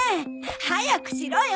早くしろよ！